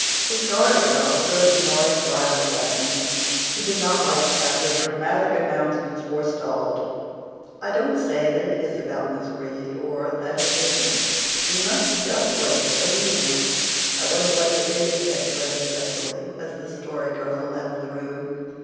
The Story Girl threw an annoyed glance at me. She did not like to have her dramatic announcements forestalled. "I don't say that it is about Miss Reade or that it isn't. You must just wait till the evening." "I wonder what it is," speculated Cecily, as the Story Girl left the room.